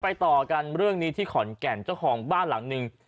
ต่อกันเรื่องนี้ที่ขอนแก่นเจ้าของบ้านหลังหนึ่ง